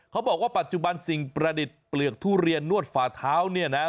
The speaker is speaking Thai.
เขาบอกว่าปัจจุบันสิ่งประดิษฐ์เปลือกทุเรียนนวดฝ่าเท้าเนี่ยนะ